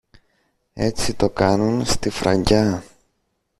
Έτσι το κάνουν στη Φραγκιά.